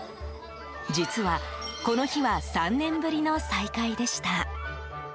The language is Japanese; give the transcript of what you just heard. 実は、この日は３年ぶりの再開でした。